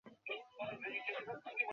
ধোঁয়ার কারণে অনেকে শ্বাসকষ্টে ভুগছেন।